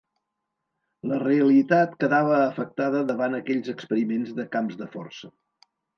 La realitat quedava afectada davant aquells experiments de camps de força.